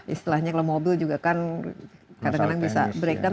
istilahnya kalau mobil juga kan kadang kadang bisa breakdown